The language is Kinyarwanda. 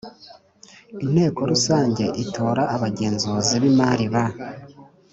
Inteko Rusange itora abagenzuzi b imari ba